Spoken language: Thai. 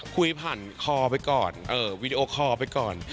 คุยผ่านคอไปก่อนวีดีโอคอลไปก่อน